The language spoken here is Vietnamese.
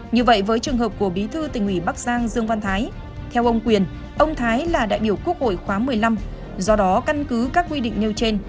như vậy với trường hợp của bí thư tỉnh ủy bắc giang dương văn thái theo ông quyền ông thái là đại biểu quốc hội khóa một mươi năm do đó căn cứ các quy định nêu trên